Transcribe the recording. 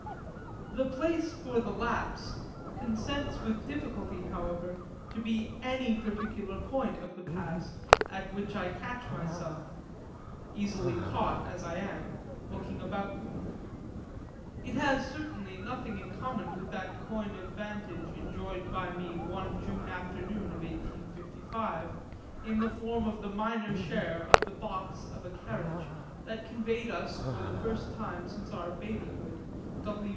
The place for the lapse consents with difficulty, however, to be any particular point of the past at which I catch myself (easily caught as I am) looking about me; it has certainly nothing in common with that coign of vantage enjoyed by me one June afternoon of 1855 in the form of the minor share of the box of a carriage that conveyed us for the first time since our babyhood, W.